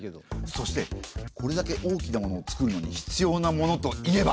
そしてこれだけ大きなものを作るのに必要なものといえば？